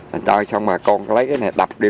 mình chọn xong bà con lấy cái này đập đi